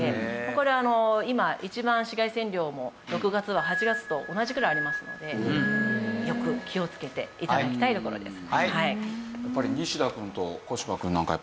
これ今一番紫外線量も６月は８月と同じぐらいありますのでよく気をつけて頂きたいところです。